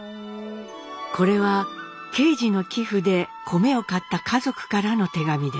これは敬次の寄付で米を買った家族からの手紙です。